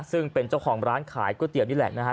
ซึ่งเป็นเจ้าของร้านขายก๋วยเตี๋ยวนี่แหละนะฮะ